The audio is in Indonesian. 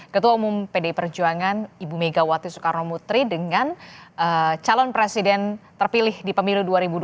ketua umum pdi perjuangan ibu megawati soekarno putri dengan calon presiden terpilih di pemilu dua ribu dua puluh